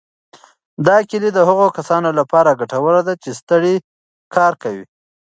دا کیله د هغو کسانو لپاره ګټوره ده چې ستړی کار کوي.